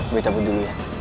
gue tabur dulu ya